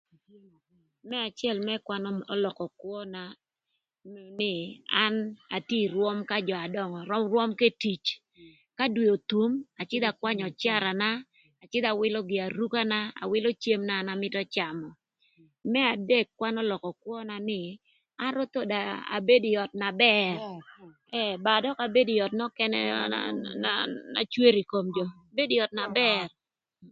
Më acël më kwan ölökö kwöna pïën an atye kï rwöm ka jö adöngö rwöm k'etic ka dwe othum acïdhö akwanyö öcarana acïdhö awïlö giarukana, awïlö cem na an amïtö camö, më adek kwan ölökö kwöna nï an ro thon abedo ï öt na bër ë ba dökï abedo ï öt nökënë na cwer ï kom jö abedo ï öt na bër.